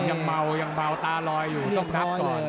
ยังเมายังเมาตาลอยอยู่ต้องนับก่อน